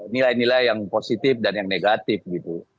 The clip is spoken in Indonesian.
nilai nilai yang positif dan yang negatif gitu